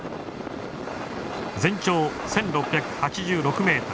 全長１，６８６ｍ。